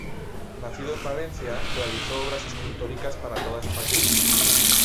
Nacido en Valencia, realizó obras escultóricas para toda España.